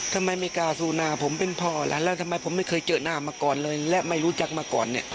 ทำไมไมกาสูนาผมเป็นพ่อแล้วทำไมผมไม่เคยเจอหน้ามาก่อนเลยและไม่รู้จักมาก่อน